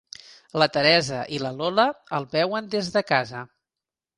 La Teresa i la Lola el veuen des de casa.